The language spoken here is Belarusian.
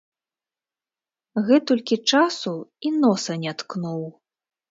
Гэтулькі часу і носа не ткнуў.